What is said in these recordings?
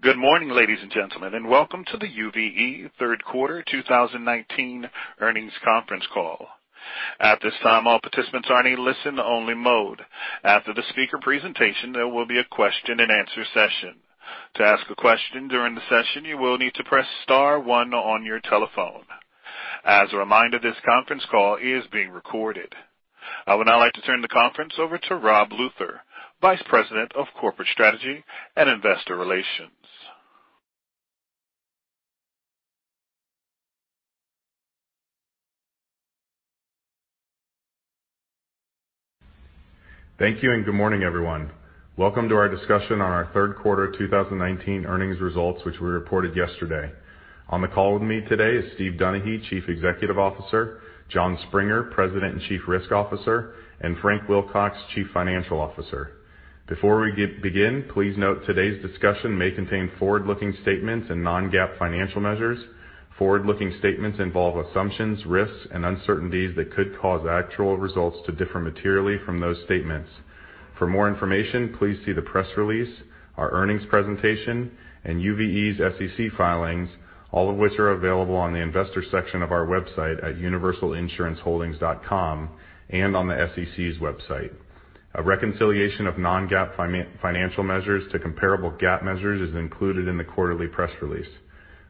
Good morning, ladies and gentlemen, and welcome to the UVE Q3 2019 earnings conference call. At this time, all participants are in a listen-only mode. After the speaker presentation, there will be a question and answer session. To ask a question during the session, you will need to press star one on your telephone. As a reminder, this conference call is being recorded. I would now like to turn the conference over to Rob Luther, Vice President of Corporate Strategy and Investor Relations. Thank you, and good morning, everyone. Welcome to our discussion on our Q3 2019 earnings results, which we reported yesterday. On the call with me today is Steve Donaghy, Chief Executive Officer, Jon Springer, President and Chief Risk Officer, and Frank Wilcox, Chief Financial Officer. Before we begin, please note today's discussion may contain forward-looking statements and non-GAAP financial measures. Forward-looking statements involve assumptions, risks, and uncertainties that could cause actual results to differ materially from those statements. For more information, please see the press release, our earnings presentation, and UVE's SEC filings, all of which are available on the investor section of our website at universalinsuranceholdings.com and on the SEC's website. A reconciliation of non-GAAP financial measures to comparable GAAP measures is included in the quarterly press release.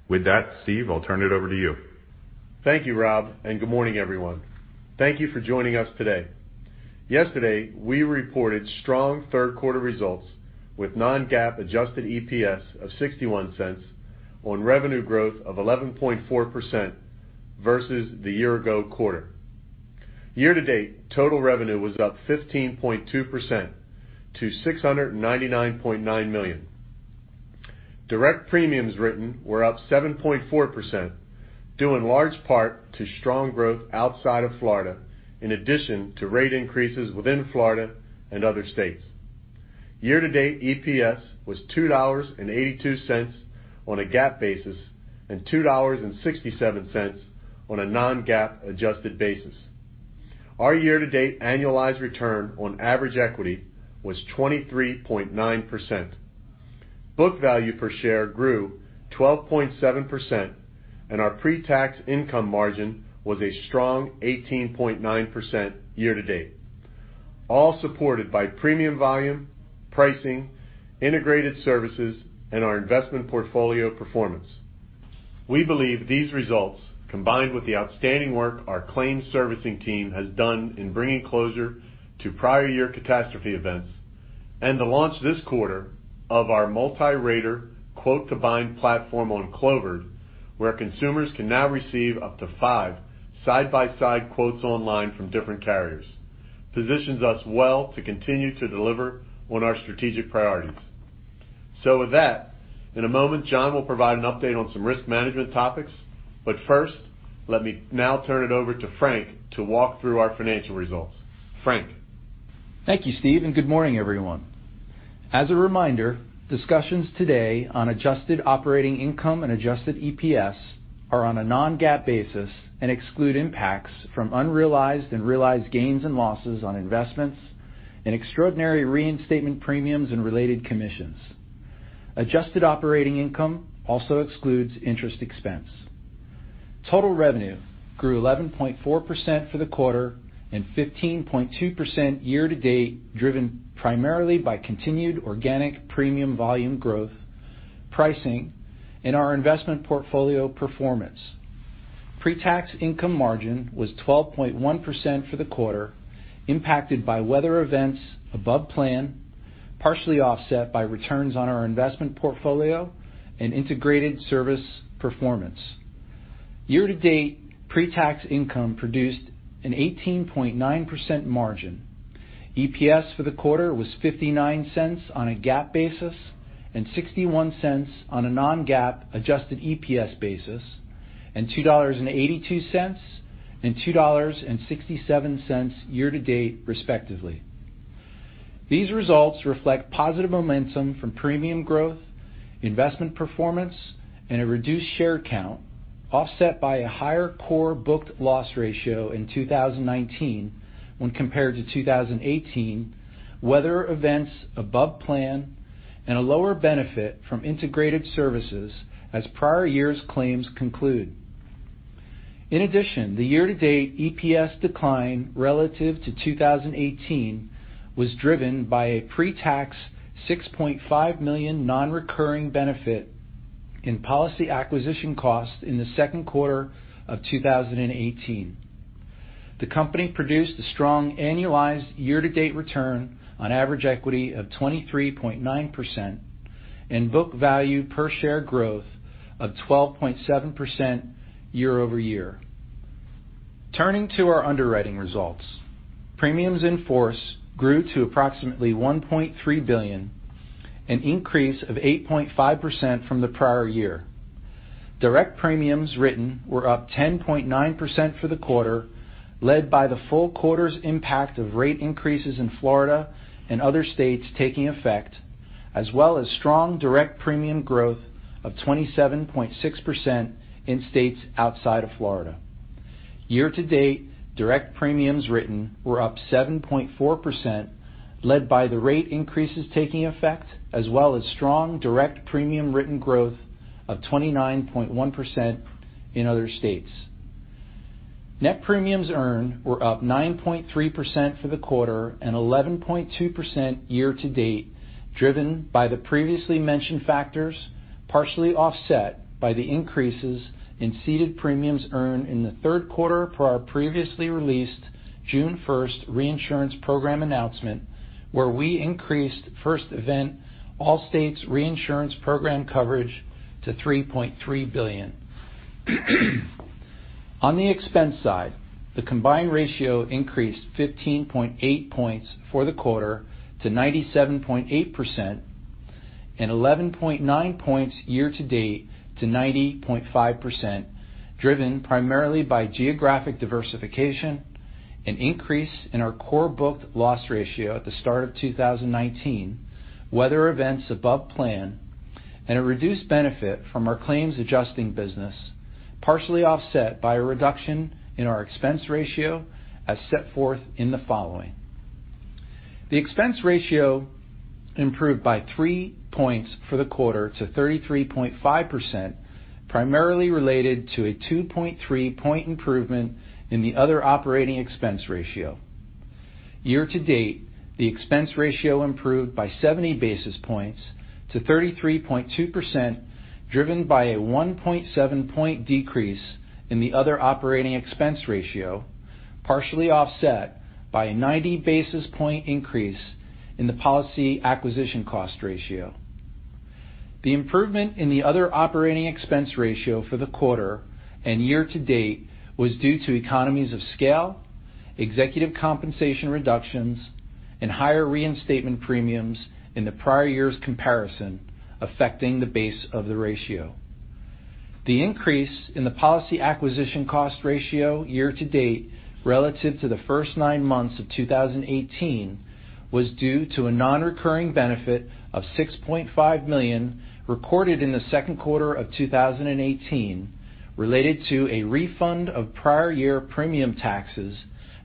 With that, Steve, I'll turn it over to you. Thank you, Rob, and good morning, everyone. Thank you for joining us today. Yesterday, we reported strong third-quarter results with non-GAAP adjusted EPS of $0.61 on revenue growth of 11.4% versus the year-ago quarter. Year-to-date total revenue was up 15.2% to $699.9 million. Direct premiums written were up 7.4%, due in large part to strong growth outside of Florida, in addition to rate increases within Florida and other states. Year-to-date EPS was $2.82 on a GAAP basis and $2.67 on a non-GAAP adjusted basis. Our year-to-date annualized return on average equity was 23.9%. Book value per share grew 12.7%, and our pre-tax income margin was a strong 18.9% year-to-date, all supported by premium volume, pricing, integrated services, and our investment portfolio performance. We believe these results, combined with the outstanding work our claims servicing team has done in bringing closure to prior year catastrophe events and the launch this quarter of our multi-rater quote-to-bind platform on Clovered, where consumers can now receive up to five side-by-side quotes online from different carriers, positions us well to continue to deliver on our strategic priorities. With that, in a moment, Jon will provide an update on some risk management topics. But first, let me now turn it over to Frank to walk through our financial results. Frank? Thank you, Steve, and good morning, everyone. As a reminder, discussions today on adjusted operating income and adjusted EPS are on a non-GAAP basis and exclude impacts from unrealized and realized gains and losses on investments and extraordinary reinstatement premiums and related commissions. Adjusted operating income also excludes interest expense. Total revenue grew 11.4% for the quarter and 15.2% year-to-date, driven primarily by continued organic premium volume growth pricing in our investment portfolio performance. Pre-tax income margin was 12.1% for the quarter, impacted by weather events above plan, partially offset by returns on our investment portfolio and integrated service performance. Year-to-date pre-tax income produced an 18.9% margin. EPS for the quarter was $0.59 on a GAAP basis and $0.61 on a non-GAAP adjusted EPS basis, and $2.82 and $2.67 year-to-date respectively. These results reflect positive momentum from premium growth, investment performance, and a reduced share count offset by a higher core booked loss ratio in 2019 when compared to 2018, weather events above plan, and a lower benefit from integrated services as prior years' claims conclude. The year-to-date EPS decline relative to 2018 was driven by a pre-tax $6.5 million non-recurring benefit in policy acquisition costs in the second quarter of 2018. The company produced a strong annualized year-to-date return on average equity of 23.9% and book value per share growth of 12.7% year-over-year. Turning to our underwriting results. Premiums in force grew to approximately $1.3 billion, an increase of 8.5% from the prior year. Direct premiums written were up 10.9% for the quarter, led by the full quarter's impact of rate increases in Florida and other states taking effect, as well as strong direct premium growth of 27.6% in states outside of Florida. Year-to-date, direct premiums written were up 7.4%, led by the rate increases taking effect, as well as strong direct premium written growth of 29.1% in other states. Net premiums earned were up 9.3% for the quarter and 11.2% year-to-date, driven by the previously mentioned factors, partially offset by the increases in ceded premiums earned in the third quarter per our previously released June 1st reinsurance program announcement, where we increased first event Allstate's reinsurance program coverage to $3.3 billion. On the expense side, the combined ratio increased 15.8 points for the quarter to 97.8% and 11.9 points year-to-date to 90.5%, driven primarily by geographic diversification and increase in our core booked loss ratio at the start of 2019, weather events above plan, and a reduced benefit from our claims adjusting business, partially offset by a reduction in our expense ratio as set forth in the following. The expense ratio improved by three points for the quarter to 33.5%, primarily related to a 2.3-point improvement in the other operating expense ratio. Year-to-date, the expense ratio improved by 70 basis points to 33.2%, driven by a 1.7-point decrease in the other operating expense ratio, partially offset by a 90 basis point increase in the policy acquisition cost ratio. The improvement in the other operating expense ratio for the quarter and year-to-date was due to economies of scale, executive compensation reductions, and higher reinstatement premiums in the prior year's comparison affecting the base of the ratio. The increase in the policy acquisition cost ratio year-to-date relative to the first nine months of 2018 was due to a non-recurring benefit of $6.5 million reported in the second quarter of 2018, related to a refund of prior year premium taxes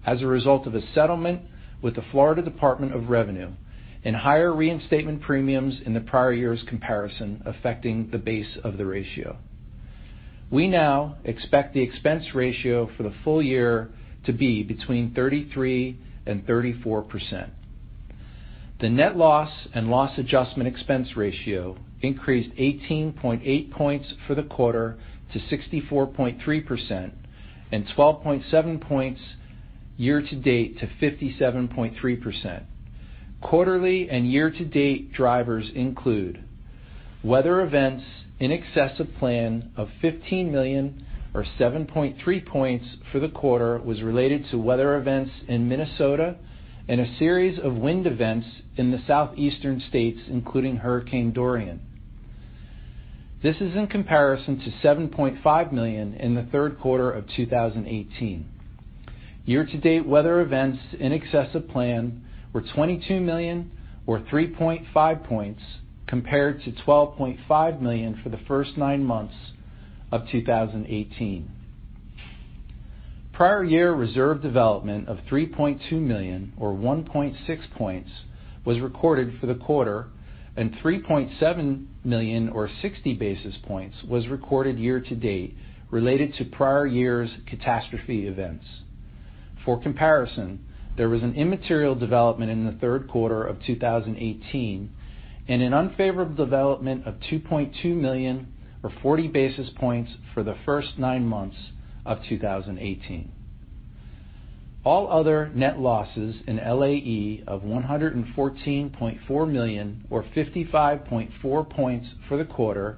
as a result of a settlement with the Florida Department of Revenue, and higher reinstatement premiums in the prior year's comparison affecting the base of the ratio. We now expect the expense ratio for the full year to be between 33% and 34%. The net loss and loss adjustment expense ratio increased 18.8 points for the quarter to 64.3% and 12.7 points year-to-date to 57.3%. Quarterly and year-to-date drivers include weather events in excess of plan of $15 million or 7.3 points for the quarter was related to weather events in Minnesota and a series of wind events in the southeastern states, including Hurricane Dorian. This is in comparison to $7.5 million in the third quarter of 2018. Year-to-date weather events in excess of plan were $22 million or 3.5 points, compared to $12.5 million for the first nine months of 2018. Prior year reserve development of $3.2 million or 1.6 points was recorded for the quarter, and $3.7 million or 60 basis points was recorded year-to-date, related to prior year's catastrophe events. For comparison, there was an immaterial development in the third quarter of 2018 and an unfavorable development of $2.2 million or 40 basis points for the first nine months of 2018. All other net losses in LAE of $114.4 million or 55.4 points for the quarter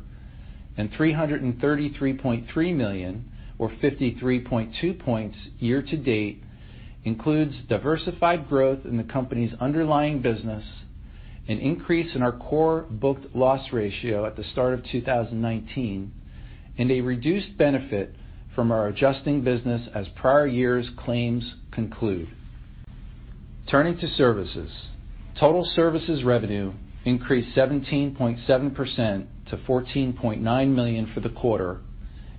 and $333.3 million or 53.2 points year-to-date includes diversified growth in the company's underlying business, an increase in our core booked loss ratio at the start of 2019, and a reduced benefit from our adjusting business as prior year's claims conclude. Turning to services. Total services revenue increased 17.7% to $14.9 million for the quarter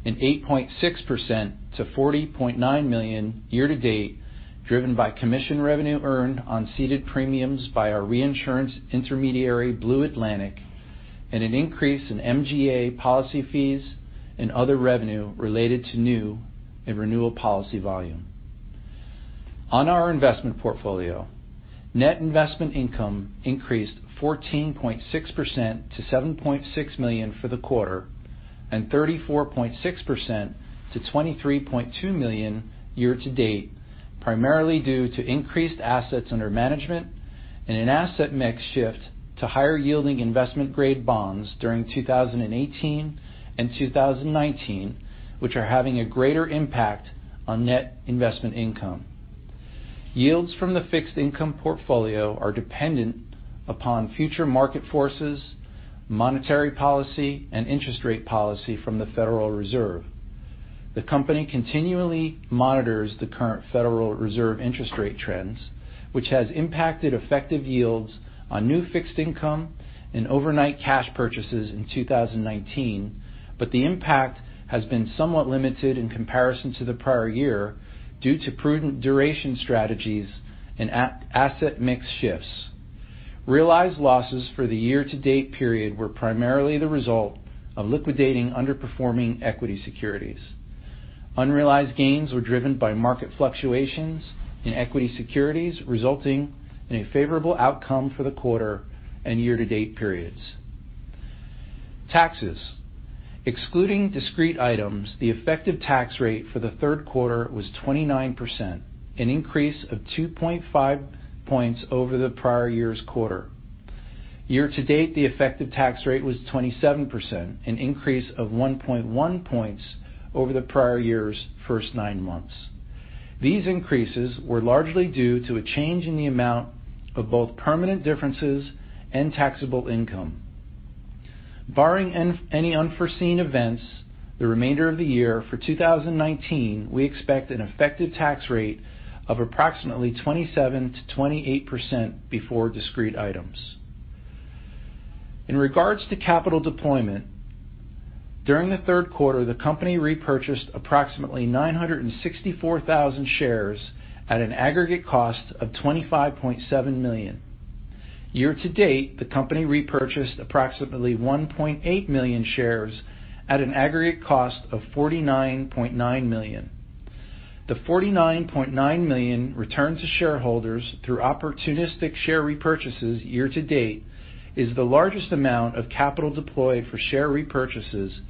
and 8.6% to $40.9 million year-to-date, driven by commission revenue earned on ceded premiums by our reinsurance intermediary, Blue Atlantic, and an increase in MGA policy fees and other revenue related to new and renewal policy volume. On our investment portfolio, net investment income increased 14.6% to $7.6 million for the quarter and 34.6% to $23.2 million year-to-date, primarily due to increased assets under management and an asset mix shift to higher yielding investment-grade bonds during 2018 and 2019, which are having a greater impact on net investment income. Yields from the fixed income portfolio are dependent upon future market forces, monetary policy, and interest rate policy from the Federal Reserve. The company continually monitors the current Federal Reserve interest rate trends, which has impacted effective yields on new fixed income and overnight cash purchases in 2019, but the impact has been somewhat limited in comparison to the prior year due to prudent duration strategies and asset mix shifts. Realized losses for the year-to-date period were primarily the result of liquidating underperforming equity securities. Unrealized gains were driven by market fluctuations in equity securities, resulting in a favorable outcome for the quarter and year-to-date periods. Taxes. Excluding discrete items, the effective tax rate for the third quarter was 29%, an increase of 2.5 points over the prior year's quarter. Year to date, the effective tax rate was 27%, an increase of 1.1 points over the prior year's first nine months. These increases were largely due to a change in the amount of both permanent differences and taxable income. Barring any unforeseen events, the remainder of the year for 2019, we expect an effective tax rate of approximately 27%-28% before discrete items. In regards to capital deployment, during the third quarter, the company repurchased approximately 964,000 shares at an aggregate cost of $25.7 million. Year to date, the company repurchased approximately 1.8 million shares at an aggregate cost of $49.9 million. The $49.9 million returned to shareholders through opportunistic share repurchases year to date is the largest amount of capital deployed for share repurchases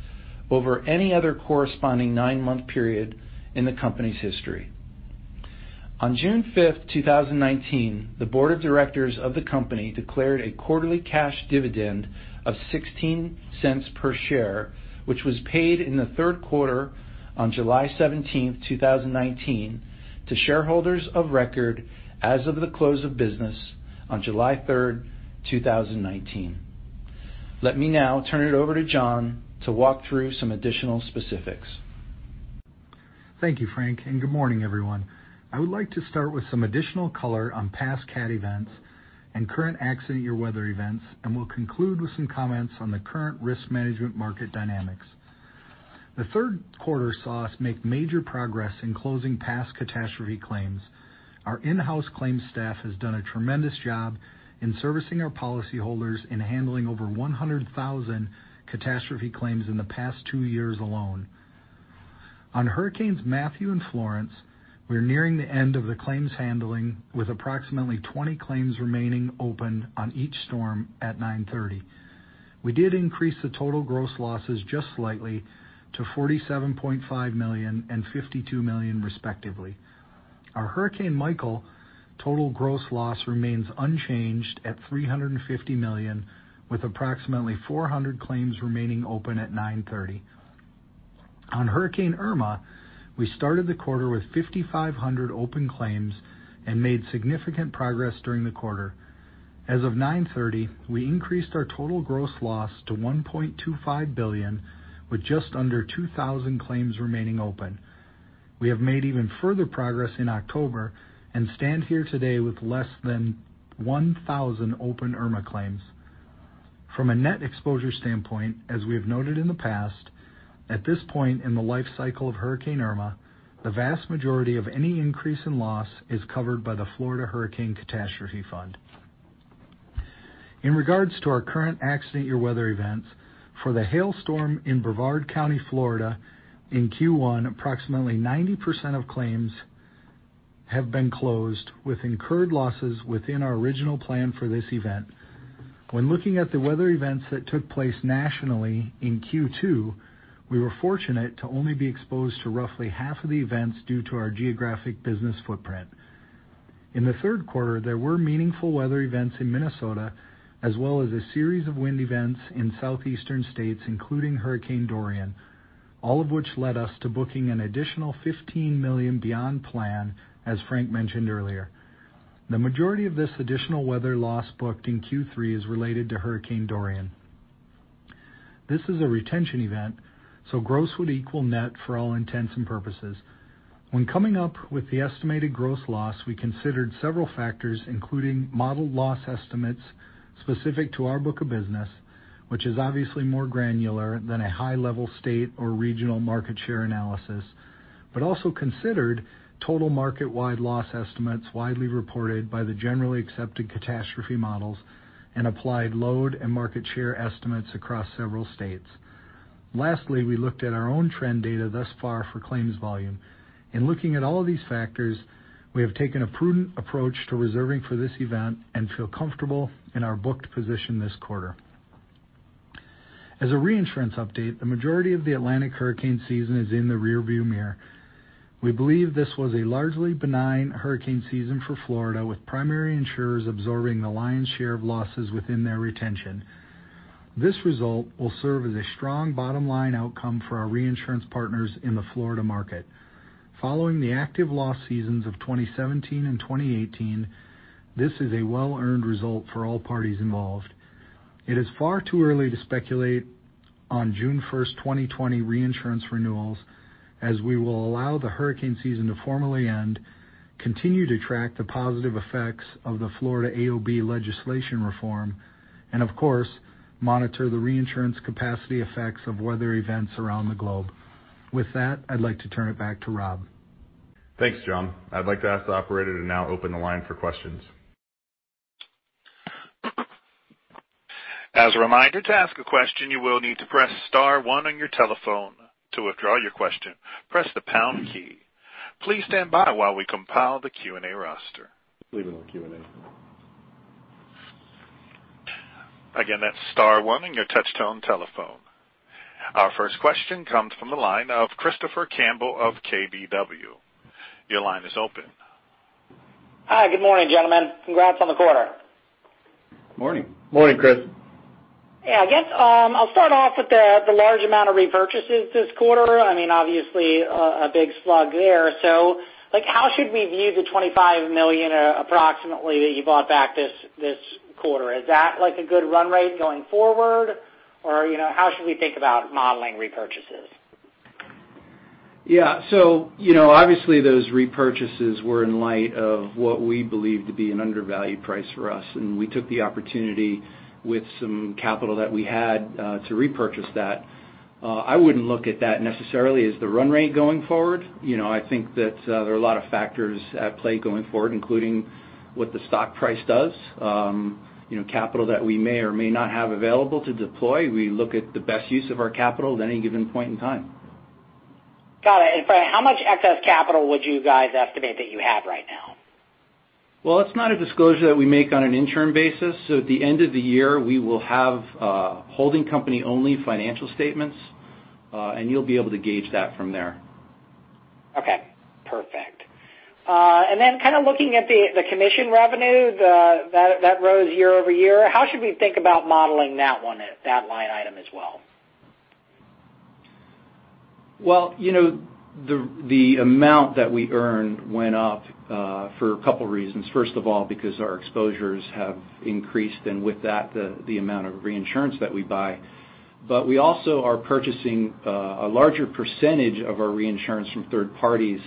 over any other corresponding nine-month period in the company's history. On June 5th, 2019, the Board of Directors of the company declared a quarterly cash dividend of $0.16 per share, which was paid in the third quarter on July 17th, 2019, to shareholders of record as of the close of business on July 3rd, 2019. Let me now turn it over to Jon to walk through some additional specifics. Thank you, Frank, and good morning, everyone. I would like to start with some additional color on past CAT events and current accident year weather events, and will conclude with some comments on the current risk management market dynamics. The third quarter saw us make major progress in closing past catastrophe claims. Our in-house claims staff has done a tremendous job in servicing our policyholders in handling over 100,000 catastrophe claims in the past two years alone. On Hurricanes Matthew and Florence, we're nearing the end of the claims handling with approximately 20 claims remaining open on each storm at 9:30. We did increase the total gross losses just slightly to $47.5 million and $52 million respectively. Our Hurricane Michael total gross loss remains unchanged at $350 million, with approximately 400 claims remaining open at 9:30. On Hurricane Irma, we started the quarter with 5,500 open claims and made significant progress during the quarter. As of 9:30, we increased our total gross loss to $1.25 billion, with just under 2,000 claims remaining open. We have made even further progress in October and stand here today with less than 1,000 open Irma claims. From a net exposure standpoint, as we have noted in the past, at this point in the life cycle of Hurricane Irma, the vast majority of any increase in loss is covered by the Florida Hurricane Catastrophe Fund. In regards to our current accident year weather events, for the hail storm in Brevard County, Florida, in Q1, approximately 90% of claims have been closed with incurred losses within our original plan for this event. When looking at the weather events that took place nationally in Q2, we were fortunate to only be exposed to roughly half of the events due to our geographic business footprint. In the third quarter, there were meaningful weather events in Minnesota, as well as a series of wind events in southeastern states, including Hurricane Dorian, all of which led us to booking an additional $15 million beyond plan as Frank mentioned earlier. The majority of this additional weather loss booked in Q3 is related to Hurricane Dorian. This is a retention event, so gross would equal net for all intents and purposes. When coming up with the estimated gross loss, we considered several factors, including modeled loss estimates specific to our book of business, which is obviously more granular than a high-level state or regional market share analysis. Also considered total market-wide loss estimates widely reported by the generally accepted catastrophe models and applied load and market share estimates across several states. Lastly, we looked at our own trend data thus far for claims volume. In looking at all these factors, we have taken a prudent approach to reserving for this event and feel comfortable in our booked position this quarter. As a reinsurance update, the majority of the Atlantic hurricane season is in the rearview mirror. We believe this was a largely benign hurricane season for Florida, with primary insurers absorbing the lion's share of losses within their retention. This result will serve as a strong bottom-line outcome for our reinsurance partners in the Florida market. Following the active loss seasons of 2017 and 2018, this is a well-earned result for all parties involved. It is far too early to speculate on June 1st, 2020 reinsurance renewals, as we will allow the hurricane season to formally end, continue to track the positive effects of the Florida AOB legislation reform, and of course, monitor the reinsurance capacity effects of weather events around the globe. With that, I'd like to turn it back to Rob. Thanks, Jon. I'd like to ask the operator to now open the line for questions. As a reminder, to ask a question, you will need to press star one on your telephone. To withdraw your question, press the pound key. Please stand by while we compile the Q&A roster. Leave it on Q&A. Again, that's star one on your touch-tone telephone. Our first question comes from the line of Christopher Campbell of KBW. Your line is open. Hi. Good morning, gentlemen. Congrats on the quarter. Morning. Morning, Chris. Yeah, I guess I'll start off with the large amount of repurchases this quarter. Obviously, a big slug there. How should we view the $25 million approximately that you bought back this quarter? Is that a good run rate going forward, or how should we think about modeling repurchases? Yeah. Obviously those repurchases were in light of what we believe to be an undervalued price for us, and we took the opportunity with some capital that we had to repurchase that. I wouldn't look at that necessarily as the run rate going forward. I think that there are a lot of factors at play going forward, including what the stock price does. Capital that we may or may not have available to deploy. We look at the best use of our capital at any given point in time. Got it. Brian, how much excess capital would you guys estimate that you have right now? Well, it's not a disclosure that we make on an interim basis. At the end of the year, we will have a holding company-only financial statements, and you'll be able to gauge that from there. Okay, perfect. Kind of looking at the commission revenue, that rose year-over-year. How should we think about modeling that one, that line item as well? Well, the amount that we earned went up for a couple reasons. First of all, because our exposures have increased, and with that, the amount of reinsurance that we buy. We also are purchasing a larger percentage of our reinsurance from third parties,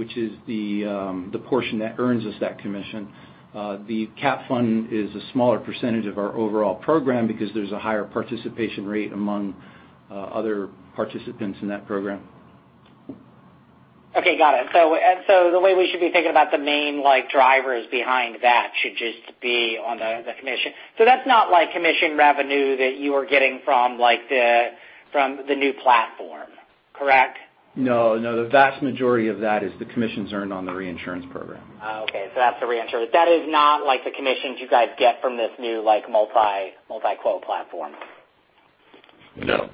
which is the portion that earns us that commission. The CAT fund is a smaller percentage of our overall program because there's a higher participation rate among other participants in that program. Okay, got it. The way we should be thinking about the main drivers behind that should just be on the commission. That's not commission revenue that you are getting from the new platform, correct? No. The vast majority of that is the commissions earned on the reinsurance program. Oh, okay. That's the reinsurance. That is not like the commissions you guys get from this new multi-quote platform? No.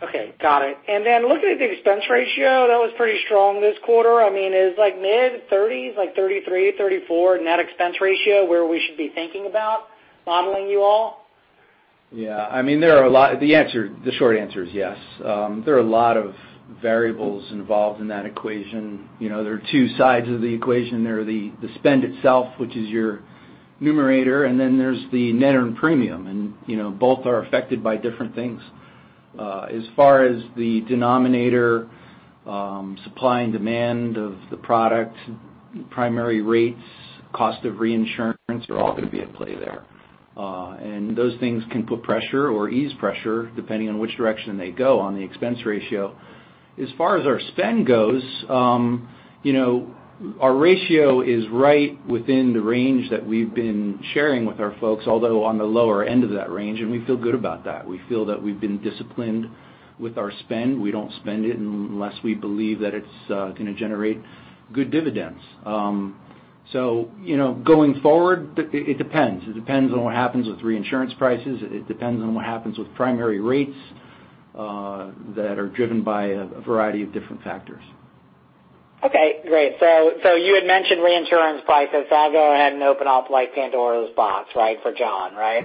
Okay, got it. Looking at the expense ratio, that was pretty strong this quarter. Is mid-30s, like 33, 34 net expense ratio where we should be thinking about modeling you all? Yeah. The short answer is yes. There are a lot of variables involved in that equation. There are two sides of the equation. There are the spend itself, which is your numerator, and then there's the net earned premium, and both are affected by different things. As far as the denominator, supply and demand of the product, primary rates, cost of reinsurance are all going to be at play there. Those things can put pressure or ease pressure, depending on which direction they go on the expense ratio. As far as our spend goes, our ratio is right within the range that we've been sharing with our folks, although on the lower end of that range, and we feel good about that. We feel that we've been disciplined with our spend. We don't spend it unless we believe that it's going to generate good dividends. going forward, it depends. It depends on what happens with reinsurance prices. It depends on what happens with primary rates that are driven by a variety of different factors. Okay, great. You had mentioned reinsurance prices. I'll go ahead and open up Pandora's box for Jon, right?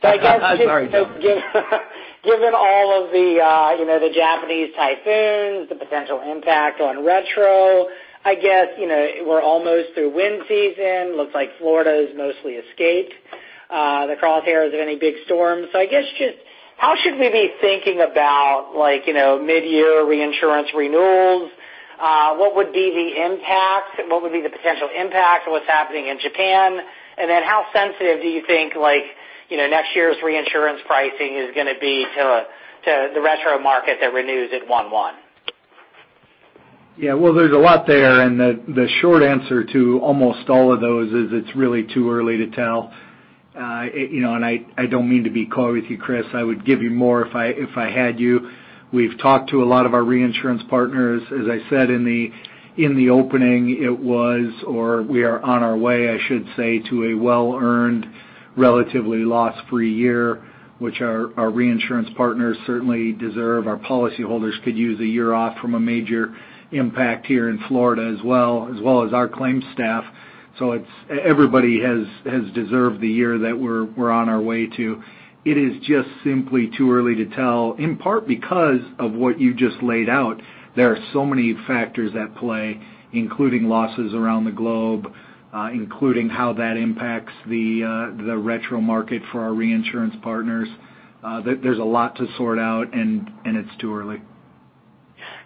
Sorry, Jon. Given all of the Japanese typhoons, the potential impact on retro, I guess we're almost through wind season. Looks like Florida's mostly escaped the crosshairs of any big storm. I guess just how should we be thinking about mid-year reinsurance renewals? What would be the potential impact of what's happening in Japan? How sensitive do you think next year's reinsurance pricing is going to be to the retro market that renews at one-one? There's a lot there, the short answer to almost all of those is it's really too early to tell. I don't mean to be coy with you, Chris, I would give you more if I had you. We've talked to a lot of our reinsurance partners. As I said in the opening, it was, or we are on our way, I should say, to a well-earned, relatively loss-free year, which our reinsurance partners certainly deserve. Our policyholders could use a year off from a major impact here in Florida as well, as well as our claims staff. Everybody has deserved the year that we're on our way to. It is just simply too early to tell, in part because of what you just laid out. There are so many factors at play, including losses around the globe, including how that impacts the retro market for our reinsurance partners. There's a lot to sort out, it's too early.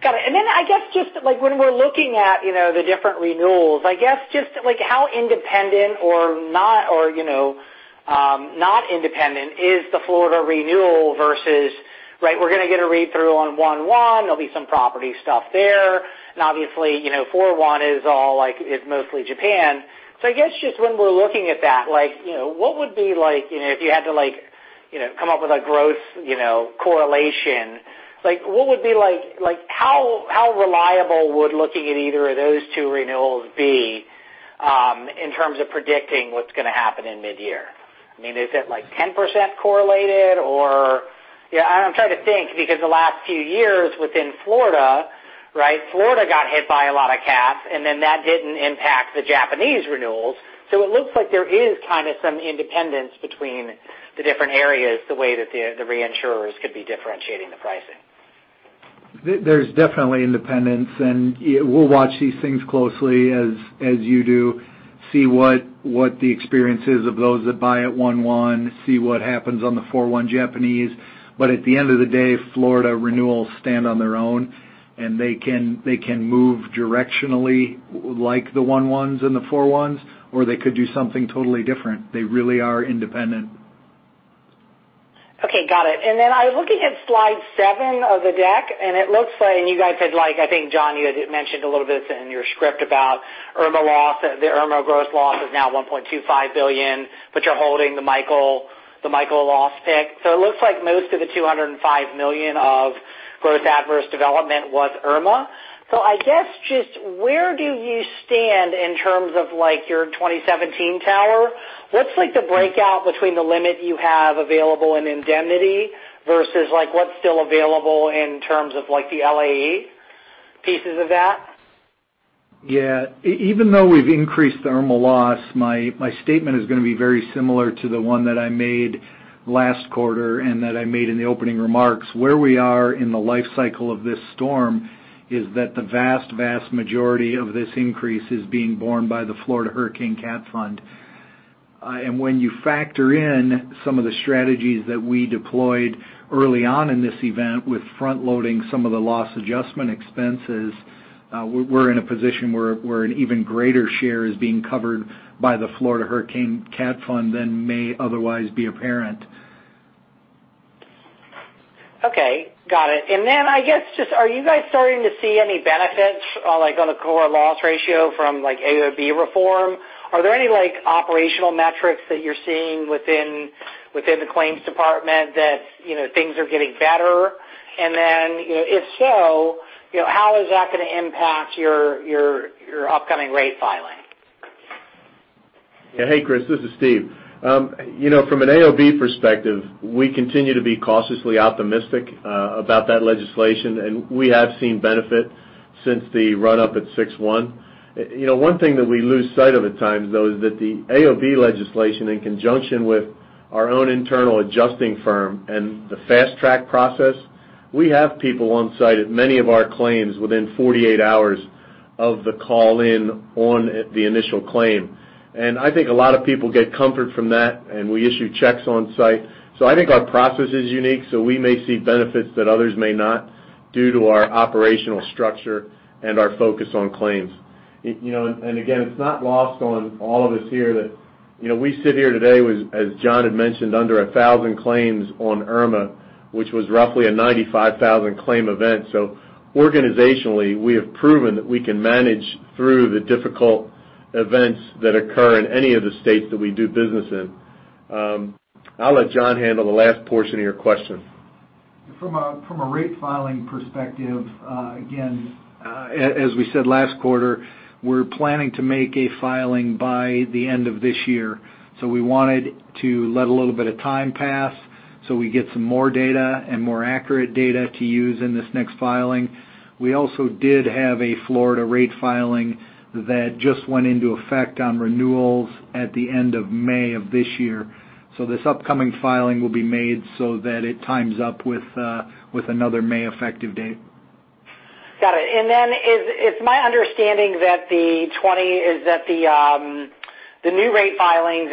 Got it. Then I guess when we're looking at the different renewals, I guess just how independent or not independent is the Florida renewal versus, we're going to get a read-through on 1/1, there'll be some property stuff there, obviously, 4/1 is mostly Japan. I guess just when we're looking at that, if you had to come up with a growth correlation, how reliable would looking at either of those two renewals be in terms of predicting what's going to happen in mid-year? I mean, is it 10% correlated or I'm trying to think, because the last few years within Florida got hit by a lot of CATs, then that didn't impact the Japanese renewals. It looks like there is kind of some independence between the different areas, the way that the reinsurers could be differentiating the pricing. There's definitely independence, we'll watch these things closely as you do, see what the experience is of those that buy at 1/1, see what happens on the 4/1 Japanese. At the end of the day, Florida renewals stand on their own, they can move directionally like the 1/1s and the 4/1s, or they could do something totally different. They really are independent. Okay, got it. I'm looking at slide seven of the deck, it looks like, you guys had like, I think, Jon, you had mentioned a little bit in your script about the Hurricane Irma gross loss is now $1.25 billion, you're holding the Hurricane Michael loss pick. It looks like most of the $205 million of growth adverse development was Hurricane Irma. I guess just where do you stand in terms of your 2017 tower? What's the breakout between the limit you have available in indemnity versus what's still available in terms of the LAE pieces of that? Yeah. Even though we've increased the Hurricane Irma loss, my statement is going to be very similar to the one that I made last quarter and that I made in the opening remarks. Where we are in the life cycle of this storm is that the vast majority of this increase is being borne by the Florida Hurricane CAT Fund. When you factor in some of the strategies that we deployed early on in this event with front-loading some of the loss adjustment expenses, we're in a position where an even greater share is being covered by the Florida Hurricane CAT Fund than may otherwise be apparent. Okay. Got it. I guess just are you guys starting to see any benefits on a core loss ratio from AOB reform? Are there any operational metrics that you're seeing within the claims department that things are getting better? If so, how is that going to impact your upcoming rate filing? Hey, Chris, this is Steve. From an AOB perspective, we continue to be cautiously optimistic about that legislation, we have seen benefit since the run-up at 6/1. One thing that we lose sight of at times, though, is that the AOB legislation, in conjunction with our own internal adjusting firm and the fast track process, we have people on site at many of our claims within 48 hours of the call in on the initial claim. I think a lot of people get comfort from that, we issue checks on site. I think our process is unique, we may see benefits that others may not due to our operational structure and our focus on claims. It's not lost on all of us here that we sit here today with, as Jon had mentioned, under 1,000 claims on Hurricane Irma, which was roughly a 95,000 claim event. Organizationally, we have proven that we can manage through the difficult events that occur in any of the states that we do business in. I'll let Jon handle the last portion of your question. From a rate filing perspective, again, as we said last quarter, we're planning to make a filing by the end of this year. We wanted to let a little bit of time pass so we get some more data and more accurate data to use in this next filing. We also did have a Florida rate filing that just went into effect on renewals at the end of May of this year. This upcoming filing will be made so that it times up with another May effective date. Got it. It's my understanding that the new rate filings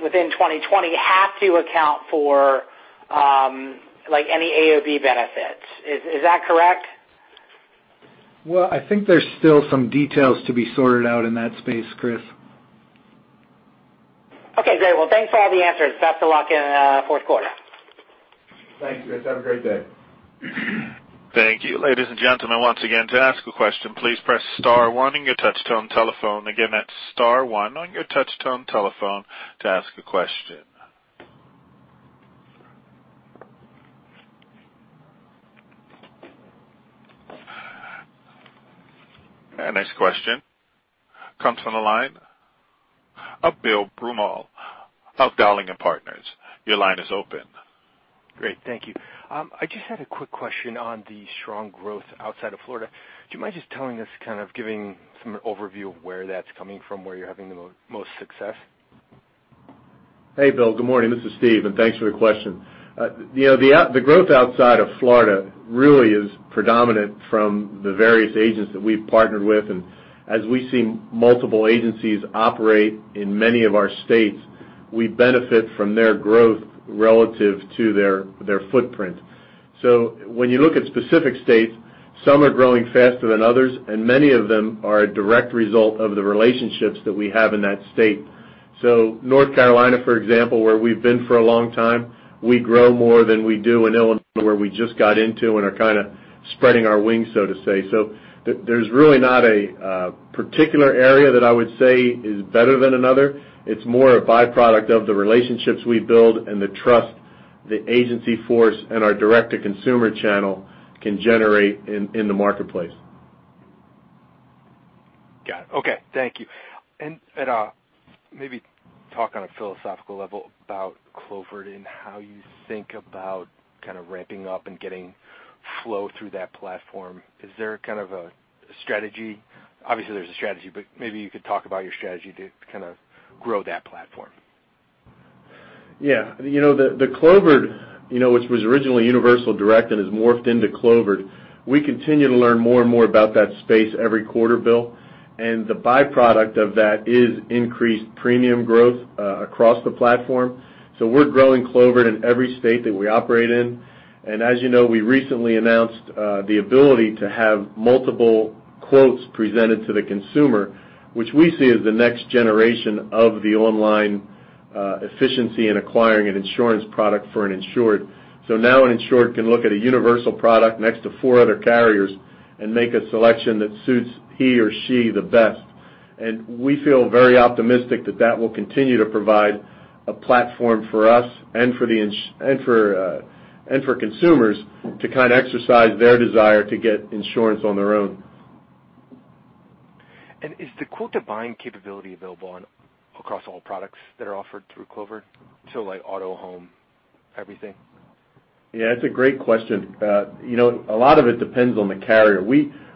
within 2020 have to account for any AOB benefits. Is that correct? Well, I think there's still some details to be sorted out in that space, Chris. Okay, great. Well, thanks for all the answers. Best of luck in fourth quarter. Thanks, Chris. Have a great day. Thank you. Ladies and gentlemen, once again, to ask a question, please press star one on your touch-tone telephone. Again, that's star one on your touch-tone telephone to ask a question. Our next question comes from the line of Bill Broomall of Dowling & Partners. Your line is open. Great. Thank you. I just had a quick question on the strong growth outside of Florida. Do you mind just telling us, kind of giving some overview of where that's coming from, where you're having the most success? Hey, Bill. Good morning. This is Steve. Thanks for your question. The growth outside of Florida really is predominant from the various agents that we've partnered with. As we've seen multiple agencies operate in many of our states, we benefit from their growth relative to their footprint. When you look at specific states, some are growing faster than others, and many of them are a direct result of the relationships that we have in that state. North Carolina, for example, where we've been for a long time, we grow more than we do in Illinois, where we just got into and are kind of spreading our wings, so to say. There's really not a particular area that I would say is better than another. It's more a byproduct of the relationships we build and the trust the agency force and our direct-to-consumer channel can generate in the marketplace. Got it. Okay. Thank you. Maybe talk on a philosophical level about Clovered and how you think about ramping up and getting flow through that platform. Is there a kind of a strategy? Obviously, there's a strategy, but maybe you could talk about your strategy to grow that platform. Yeah. Clovered, which was originally Universal Direct and has morphed into Clovered, we continue to learn more and more about that space every quarter, Bill, and the byproduct of that is increased premium growth across the platform. We're growing Clovered in every state that we operate in. As you know, we recently announced the ability to have multiple quotes presented to the consumer, which we see as the next generation of the online efficiency in acquiring an insurance product for an insured. Now an insured can look at a Universal product next to four other carriers and make a selection that suits he or she the best. We feel very optimistic that that will continue to provide a platform for us and for consumers to exercise their desire to get insurance on their own. Is the quote-to-bind capability available across all products that are offered through Clovered? Auto, home, everything? Yeah, it's a great question. A lot of it depends on the carrier.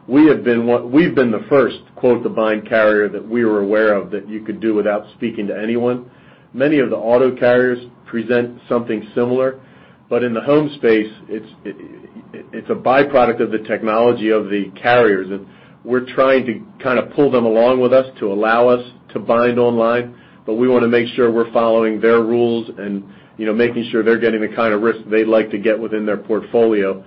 We've been the first quote-to-bind carrier that we were aware of that you could do without speaking to anyone. Many of the auto carriers present something similar, but in the home space, it's a byproduct of the technology of the carriers. We're trying to pull them along with us to allow us to bind online, but we want to make sure we're following their rules and making sure they're getting the kind of risk they'd like to get within their portfolio.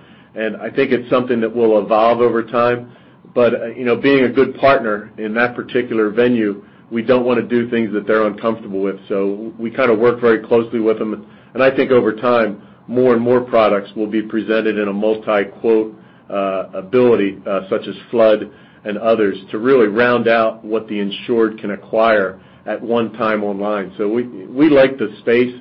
I think it's something that will evolve over time. Being a good partner in that particular venue, we don't want to do things that they're uncomfortable with, so we work very closely with them. I think over time, more and more products will be presented in a multi-quote ability, such as flood and others, to really round out what the insured can acquire at one time online. We like the space,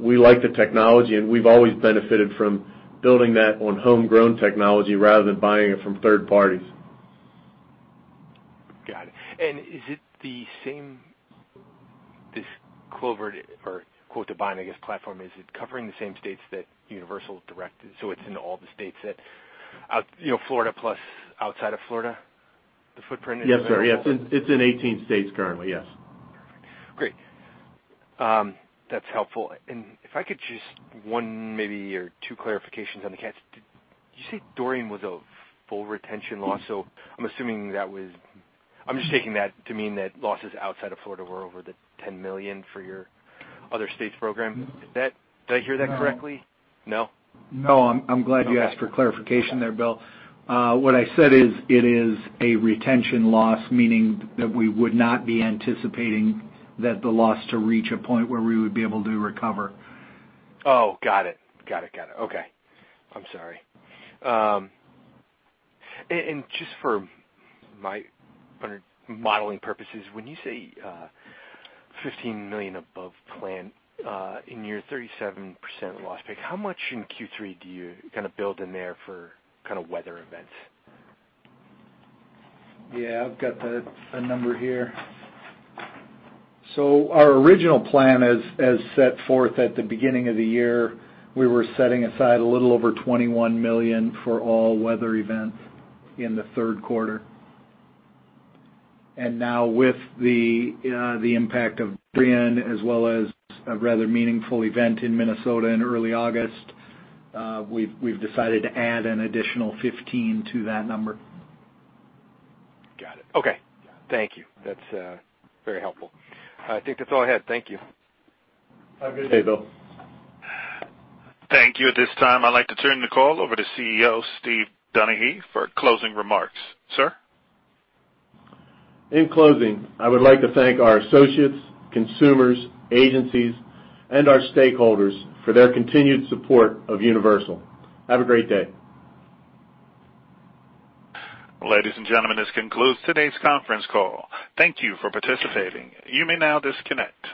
we like the technology, and we've always benefited from building that on homegrown technology rather than buying it from third parties. Got it. Is it the same, this Clovered or quote-to-bind, I guess, platform, is it covering the same states that Universal Direct is? It's in all the states that, Florida plus outside of Florida, the footprint is available? Yes, sir. Yes. It's in 18 states currently. Yes. Perfect. Great. That's helpful. If I could, just one maybe or two clarifications on the cats. Did you say Dorian was a full retention loss? So I'm assuming I'm just taking that to mean that losses outside of Florida were over $10 million for your other states program. Did I hear that correctly? No? No, I'm glad you asked for clarification there, Bill. What I said is, it is a retention loss, meaning that we would not be anticipating that the loss to reach a point where we would be able to recover. Oh, got it. Got it. Okay. I'm sorry. Just for my modeling purposes, when you say $15 million above plan in your 37% loss pick, how much in Q3 do you build in there for weather events? Yeah, I've got that number here. Our original plan, as set forth at the beginning of the year, we were setting aside a little over $21 million for all weather events in the third quarter. Now with the impact of Hurricane Dorian as well as a rather meaningful event in Minnesota in early August, we've decided to add an additional 15 to that number. Got it. Okay. Thank you. That's very helpful. I think that's all I had. Thank you. Have a good day. Okay, Bill. Thank you. At this time, I'd like to turn the call over to CEO, Steve Donaghy, for closing remarks. Sir? In closing, I would like to thank our associates, consumers, agencies, and our stakeholders for their continued support of Universal. Have a great day. Ladies and gentlemen, this concludes today's conference call. Thank you for participating. You may now disconnect.